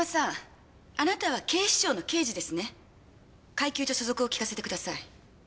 階級と所属を聞かせてください。